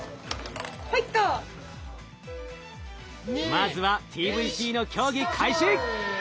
まずはＴＶＣの競技開始。